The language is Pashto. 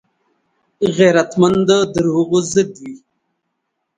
غیرتمند د دروغو ضد وي